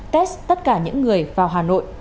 test tất cả những người vào hà nội